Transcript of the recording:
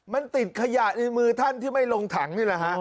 มันติดขยะในมือท่านที่ไม่ลงถัง